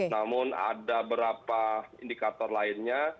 namun ada beberapa indikator lainnya